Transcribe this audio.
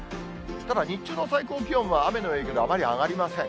ただ、日中の最高気温は、雨の影響であまり上がりません。